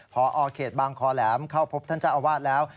พอเขตบางคอแหลมเข้าพบท่านเจ้าอาวาสแล้ว